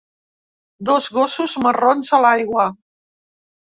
Dos gossos marrons a l'aigua.